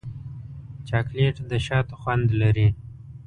چاکلېټ د شاتو خوند لري.